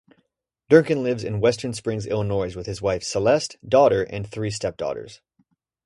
Durkin lives in Western Springs, Illinois with his wife Celeste, daughter and three step-daughters.